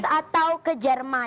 ke prancis atau ke jerman